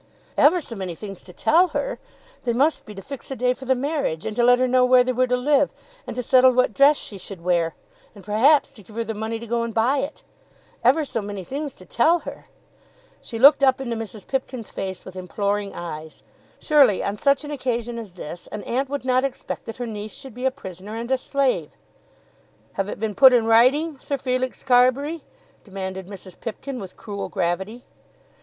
Ever so many things to tell her! They must be to fix a day for the marriage, and to let her know where they were to live, and to settle what dress she should wear, and perhaps to give her the money to go and buy it! Ever so many things to tell her! She looked up into Mrs. Pipkin's face with imploring eyes. Surely on such an occasion as this an aunt would not expect that her niece should be a prisoner and a slave. "Have it been put in writing, Sir Felix Carbury?" demanded Mrs. Pipkin with cruel gravity.